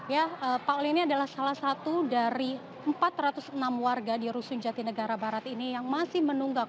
ya pak oli ini adalah salah satu dari empat ratus enam warga di rusun jatinegara barat ini yang masih menunggak